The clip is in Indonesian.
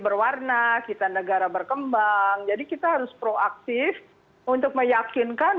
berwarna kita negara berkembang jadi kita harus proaktif untuk meyakinkan